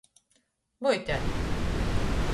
Voitēt.